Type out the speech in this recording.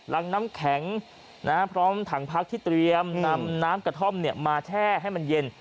น้ำแข็งพร้อมถังพักที่เตรียมนำน้ำกระท่อมมาแช่ให้มันเย็น